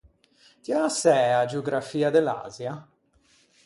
Ti â sæ a geografia de l’Asia?